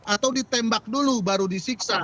atau ditembak dulu baru disiksa